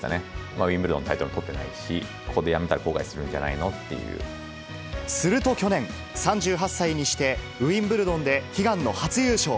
ウィンブルドンのタイトル取ってないし、ここでやめたら後悔するすると去年、３８歳にして、ウィンブルドンで悲願の初優勝。